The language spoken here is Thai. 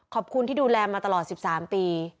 ขอบคุณที่ดูแลมาตลอด๑๓ปี